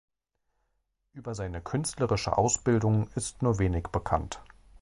Über seine künstlerische Ausbildung ist nur wenig bekannt.